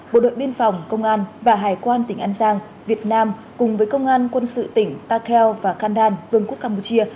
bộ đội biên phòng công an và hải quan tỉnh an giang việt nam cùng với công an quân sự tỉnh tà kheo và khanh đan vương quốc campuchia